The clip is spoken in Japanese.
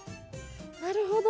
なるほど。